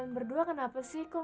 terima kasih know